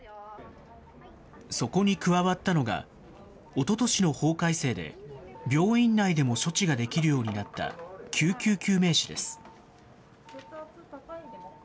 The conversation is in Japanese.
そこに加わったのが、おととしの法改正で病院内でも処置ができるようになった救急救命士です。